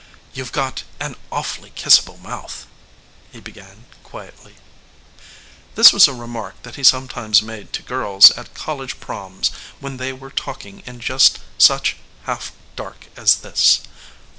"You've got an awfully kissable mouth," he began quietly. This was a remark that he sometimes made to girls at college proms when they were talking in just such half dark as this.